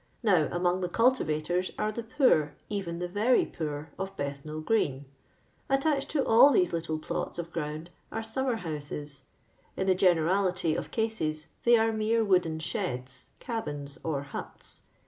Now, among the cultivators are the poor, even the very poor, of Bethnal green. .... Attached to all these liUle plots of ground are snmmer houses. In the generality of cases they are mere wooden sheds, cabins, or huts.